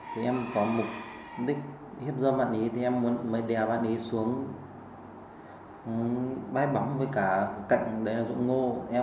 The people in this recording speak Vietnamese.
thì em có mục đích hiếp dơ bạn ấy thì em mới đèo bạn ấy xuống bái bóng với cả cạnh dụng ngô